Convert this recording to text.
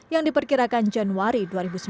yang diperkirakan januari dua ribu sembilan belas